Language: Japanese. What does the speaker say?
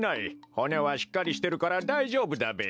ほねはしっかりしてるからだいじょうぶだべ。